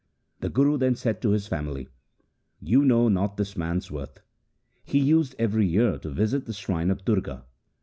The Guru then said to his family :' You know not this man's worth. He used every year to visit the shrine of Durga.